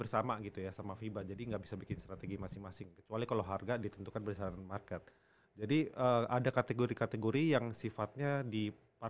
sampai jumpa di video selanjutnya